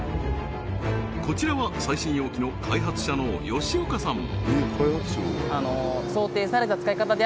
こちらは最新容器の開発者の吉岡さん